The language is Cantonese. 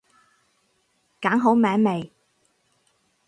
揀好名未？